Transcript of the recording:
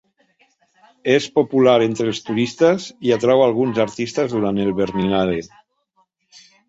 És popular entre els turistes i atrau alguns artistes duran el Berlinale.